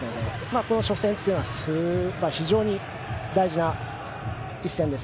この初戦というのは非常に大事な一戦です。